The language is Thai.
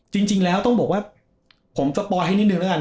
จริงจริงแล้วต้องบอกว่าผมสปอร์ทให้นิดหนึ่งนะกัน